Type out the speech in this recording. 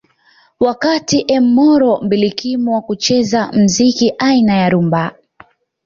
Wakati Emoro mbilikimo wa kucheza mziki aina ya rhumba